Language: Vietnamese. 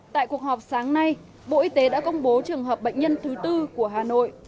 tại cuộc họp sáng nay bộ y tế đã công bố trường hợp bệnh nhân thứ tư của hà nội